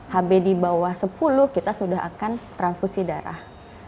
hb di bawah sepuluh kita sudah akan transfusi darah